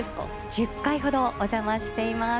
１０回ほどお邪魔しています。